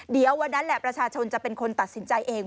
เดี๋ยววันนั้นแหละประชาชนจะเป็นคนตัดสินใจเอง